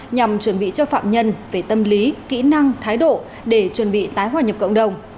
nhằm chuẩn bị cho phạm nhân về tâm lý kỹ năng thái độ để chuẩn bị tái hòa nhập cộng đồng